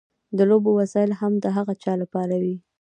د لوبو وسایل هم د هغه چا لپاره وي.